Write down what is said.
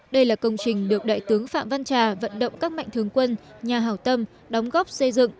đây là công trình được đại tướng phạm văn trà vận động các mạnh thường quân nhà hảo tâm đóng góp xây dựng